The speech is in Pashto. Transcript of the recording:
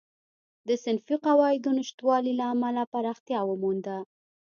د صنفي قواعدو نشتوالي له امله پراختیا ومونده.